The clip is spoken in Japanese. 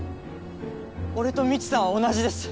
俺と美智さんは同じです。